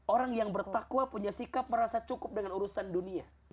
orang yang bertakwa punya sikap merasa cukup dengan urusan dunia